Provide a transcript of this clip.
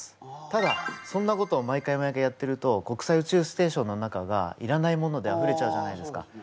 ただそんなことを毎回毎回やってると国際宇宙ステーションの中がいらないものであふれちゃうじゃないですか。